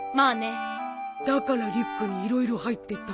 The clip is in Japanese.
だからリュックに色々入ってたんだ。